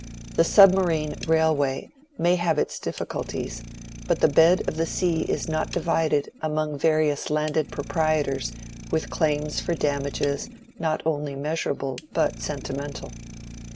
The submarine railway may have its difficulties; but the bed of the sea is not divided among various landed proprietors with claims for damages not only measurable but sentimental.